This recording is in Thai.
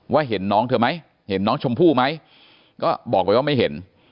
เห็นน้องเธอไหมเห็นน้องชมพู่ไหมก็บอกไปว่าไม่เห็น